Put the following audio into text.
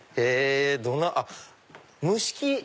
あっ蒸し器。